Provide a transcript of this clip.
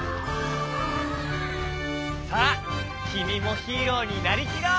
さあきみもヒーローになりきろう！